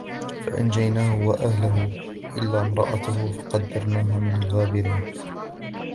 فأنجيناه وأهله إلا امرأته قدرناها من الغابرين